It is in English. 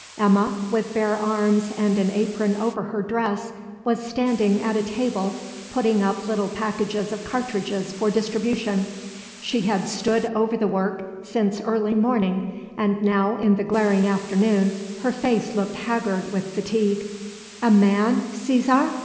Gemma, with bare arms and an apron over her dress, was standing at a table, putting up little packages of cartridges for distribution. She had stood over the work since early morning; and now, in the glaring afternoon, her face looked haggard with fatigue. "A man, Cesare?